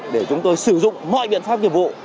để chúng tôi sử dụng mọi biện pháp nhiệm vụ